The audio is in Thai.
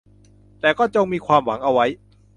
แต่ก็จงมีความหวังเอาไว้